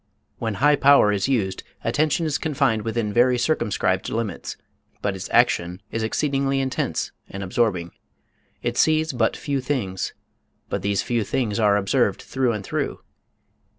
When high power is used attention is confined within very circumscribed limits, but its action is exceedingly intense and absorbing. It sees but few things, but these few are observed "through and through"